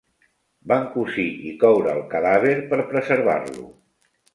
Van cosir i coure el cadàver per preservar-lo.